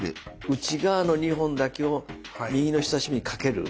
内側の２本だけを右の人さし指にかける。